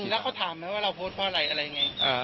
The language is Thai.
แล้วเขาถามไหมว่าเราโพสต์เพราะอะไรอะไรไง